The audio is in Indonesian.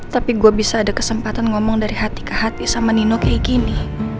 tapi gue bisa ada kesempatan ngomong dari hati ke hati sama nino kayak gini